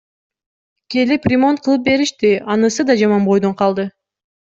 Келип ремонт кылып беришти, анысы да жаман бойдон калды.